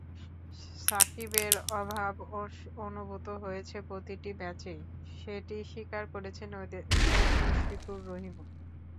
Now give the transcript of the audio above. সাকিবের অভাব অনুভূত হয়েছে প্রতিটি ম্যাচেই, যেটি স্বীকার করেছেন অধিনায়ক মুশফিকুর রহিমও।